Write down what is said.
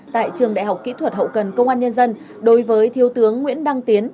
tại trường đại học kỹ thuật hậu cần công an nhân dân đối với thiếu tướng nguyễn đăng tiến